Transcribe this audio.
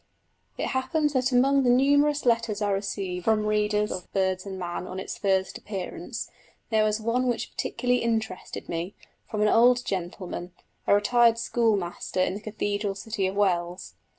It happened that among the numerous letters I received from readers of Birds and Man on its first appearance there was one which particularly interested me, from an old gentleman, a retired schoolmaster in the cathedral city of Wells.